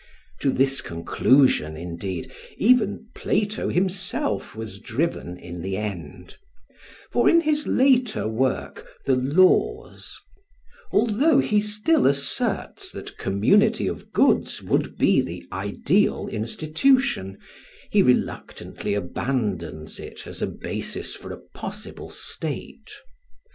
To this conclusion, indeed, even Plato himself was driven in the end; for in his later work, the "Laws," although he still asserts that community of goods would be the ideal institution, he reluctantly abandons it as a basis for a possible state.